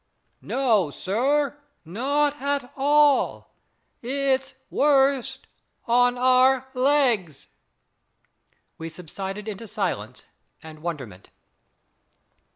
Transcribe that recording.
"No sir not at all. It's worst on our legs." We subsided into silence and wonderment.